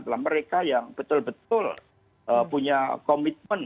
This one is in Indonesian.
adalah mereka yang betul betul punya komitmen